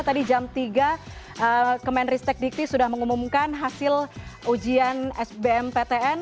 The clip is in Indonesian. tadi jam tiga kemenristek dikti sudah mengumumkan hasil ujian sbm ptn